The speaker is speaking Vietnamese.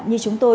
như chúng tôi